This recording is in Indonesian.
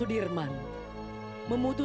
sudirman bisa mulai merasa dekat waduh